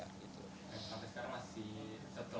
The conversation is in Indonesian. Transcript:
sampai sekarang masih setelah selesai itu